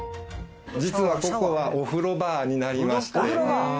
実はここはお風呂場になりまして。